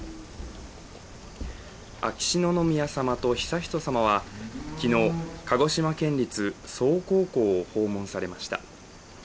秋篠宮さまと悠仁さまは昨日、看護師間県立曽於高校を訪問されました。